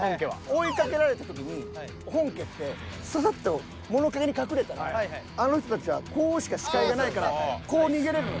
追いかけられた時に本家ってささっと物陰に隠れたらあの人たちはこうしか視界がないからこう逃げれるのよ。